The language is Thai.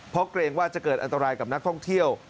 เพราะเกรงว่าจะเกิดอันตรายกับนักท่องเที่ยว